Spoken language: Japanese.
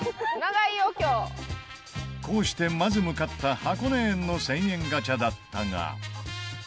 こうしてまず向かった箱根園の１０００円ガチャだったが。